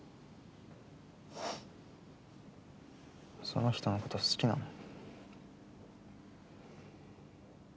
その人のこと好きなの？